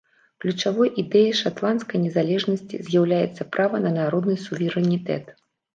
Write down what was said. Ключавой ідэяй шатландскай незалежнасці з'яўляецца права на народны суверэнітэт.